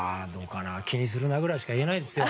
気にするなくらいしか言えないですよ。